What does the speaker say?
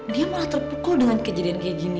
dia malah terpukul dengan kejadian kayak gini